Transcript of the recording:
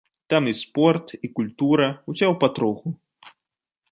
Там і спорт, і культура, усяго патроху.